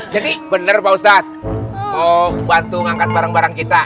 jadi bener pak ustadz mau bantu ngangkat barang barang kita